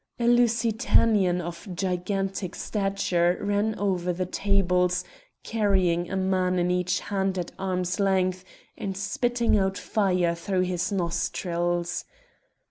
A Lusitanian of gigantic stature ran over the tables, carrying a man in each hand at arm's length, and spitting out fire through his nostrils.